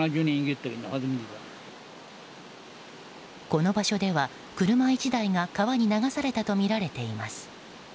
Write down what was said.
この場所では車１台が川に流されたとみられています。